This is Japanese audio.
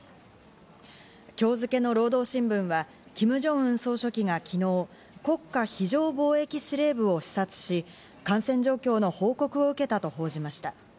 今日付の労働新聞はキム・ジョンウン総書記が昨日、国家非常防疫司令部を視察し、感染状況の報告を受けたと報じました。